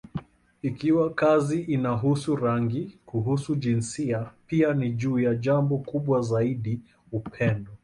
Ikiwa kazi inahusu rangi, kuhusu jinsia, pia ni juu ya jambo kubwa zaidi: upendo.